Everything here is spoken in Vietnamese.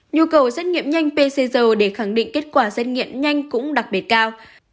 nhu cầu xét nghiệm nhanh pcr để khẳng định kết quả xét nghiệm nhanh cũng đặc biệt cao